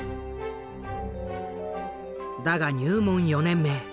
だが入門４年目